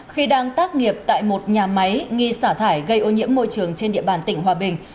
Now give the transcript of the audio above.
khi đang tác nghiệp tại một nhà máy nghi xả thải gây ô nhiễm môi trường trên địa bàn tỉnh hòa bình